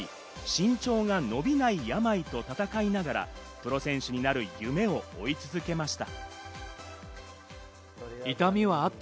幼少期に体の成長に問題があり、身長が伸びない病と闘いながらプロ選手になる夢を追い続けました。